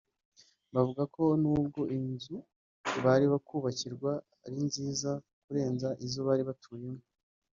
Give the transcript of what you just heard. Bavuga ko nubwo inzu bari kubakirwa ari nziza kurenza izo bari batuyemo